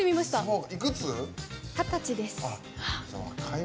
二十歳です。